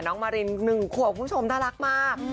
มาริน๑ขวบคุณผู้ชมน่ารักมาก